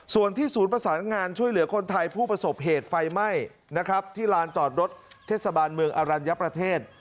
ส่วนที่ศูนย์ประสานงานช่วยเหลือคนไทยผู้ประสบเหตุไฟไหม้นะครับที่ลานจอดรถเทศบาลเมืองอรัญญประเทศ